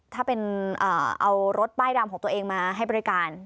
ถ้าเป็นเอารถป้ายดำของตัวเองมาให้บริการ